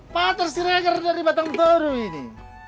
patar sireger dari batang toru ini